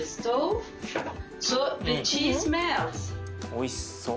おいしそ。